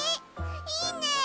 いいね！